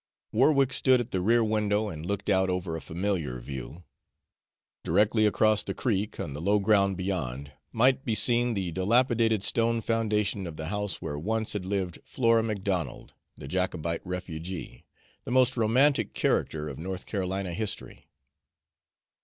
Warwick stood at the rear window and looked out over a familiar view. Directly across the creek, on the low ground beyond, might be seen the dilapidated stone foundation of the house where once had lived Flora Macdonald, the Jacobite refugee, the most romantic character of North Carolina history.